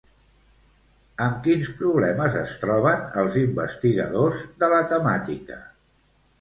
Amb quins problemes es troben els investigadors de la temàtica?